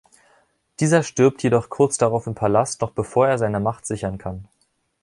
Dieser stirbt jedoch kurz darauf im Palast, noch bevor er seine Macht sichern kann.